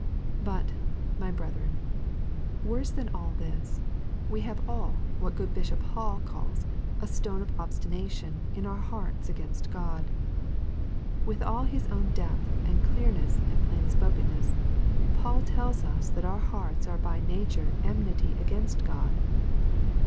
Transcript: But, my brethren, worse than all that, we have all what good Bishop Hall calls 'a stone of obstination' in our hearts against God. With all his own depth and clearness and plain spokenness, Paul tells us that our hearts are by nature enmity against God.